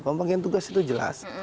pak panggilan tugas itu jelas